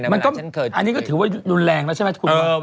อันนี้ก็ถือว่ายุนแรงนะใช่มั้ย